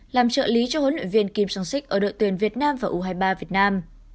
làm trợ lý cho huấn luyện viên kim song sik ở đội tuyển việt nam và u hai mươi ba việt nam